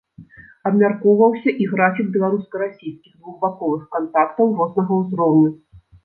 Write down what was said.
Абмяркоўваўся і графік беларуска-расійскіх двухбаковых кантактаў рознага ўзроўню.